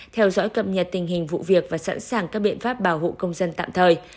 theo dõi cập nhật tình hình vụ việc và sẵn sàng các biện pháp bảo hộ công dân tạm thời